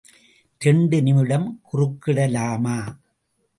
இரண்டு நிமிடம் குறுக்கிடலாமா?